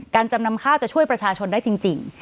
จำนำข้าวจะช่วยประชาชนได้จริง